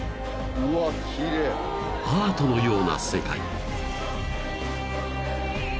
［アートのような世界］